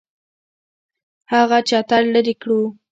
هغه چتر لري کړو.